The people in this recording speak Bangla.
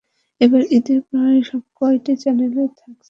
এবার ঈদে প্রায় সবকটি চ্যানেলেই থাকছে মোশাররফ করিম অভিনীত নাটক, টেলিছবি।